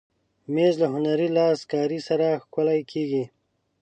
مېز له هنري لاسکار سره ښکلی کېږي.